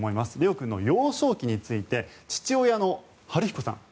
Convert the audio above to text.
怜央君の幼少期について父親の陽彦さん